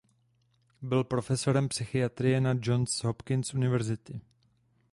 Byl profesorem psychiatrie na Johns Hopkins University.